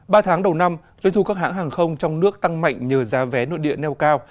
ba tháng đầu năm doanh thu các hãng hàng không trong nước tăng mạnh nhờ giá vé nội địa neo cao